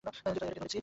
একটা কে ধরেছি!